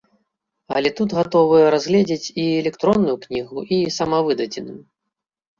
Але тут гатовыя разгледзіць і электронную кнігу, і самавыдадзеную.